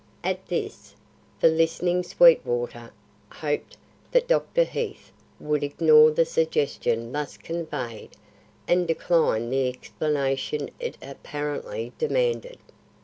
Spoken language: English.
At this, the listening Sweetwater hoped that Dr. Heath would ignore the suggestion thus conveyed and decline the explanation it apparently demanded.